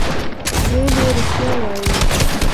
ویل یې رښتیا وایې.